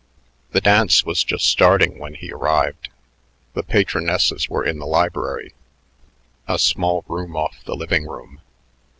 The dance was just starting when he arrived. The patronesses were in the library, a small room off the living room.